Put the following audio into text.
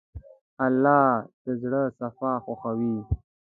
الله د زړه صفا خوښوي.